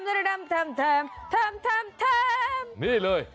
นี่เลย